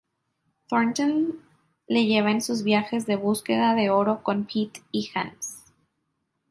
Thornton le lleva en sus viajes de búsqueda de oro con Pete y Hans.